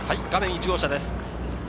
画面１号車です。